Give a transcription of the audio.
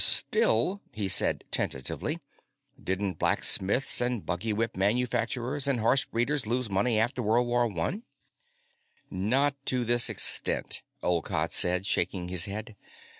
"Still," he said tentatively, "didn't blacksmiths and buggy whip manufacturers and horse breeders lose money after World War I?" "Not to this extent," Olcott said, shaking his head.